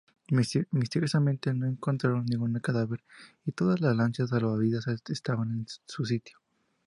Misteriosamente, no encontraron ningún cadáver y todas las lanchas salvavidas estaban en su sitio.